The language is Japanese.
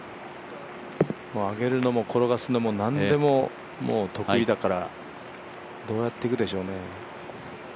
上げるのも、転がすのも、何でも得意だからどうやっていくでしょうね。